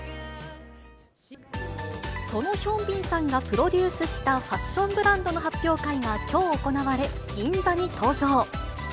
そのヒョンビンさんがプロデュースしたファッションブランドの発表会が、きょう行われ、銀座に登場。